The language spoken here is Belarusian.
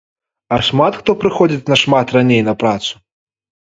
А шмат хто прыходзіць нашмат раней на працу.